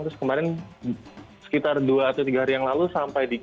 terus kemarin sekitar dua atau tiga hari yang lalu sampai di